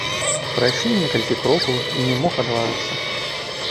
Прайшлі некалькі крокаў, і не мог адважыцца.